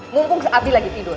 mumpung abi lagi tidur